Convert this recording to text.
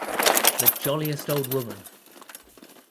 The jolliest old woman!